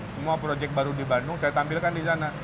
semua proyek baru di bandung saya tampilkan di sana